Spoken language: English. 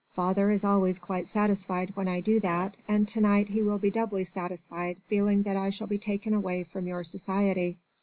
Father is always quite satisfied, when I do that, and to night he will be doubly satisfied feeling that I shall be taken away from your society.